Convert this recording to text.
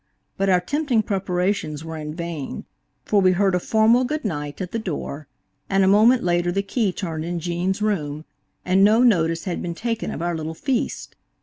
But our tempting preparations were in vain, for we heard a formal good night at the door, and a moment later the key turned in Gene's room, and no notice had been taken of our little feast.